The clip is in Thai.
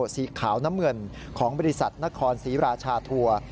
สีขาวน้ำเงินของบริษัทนครศรีราชาทัวร์